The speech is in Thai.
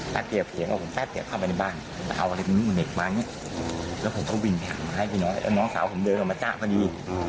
แล้วน้องสาวผมเดินออกมาจ้าพอดี